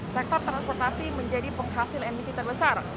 sektor transportasi menjadi penghasil emisi terbesar